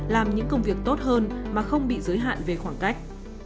làm những công việc tốt hơn mà không bị giới hạn về khoảng cách